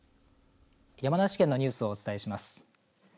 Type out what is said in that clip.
山梨県のニュースをお伝えします。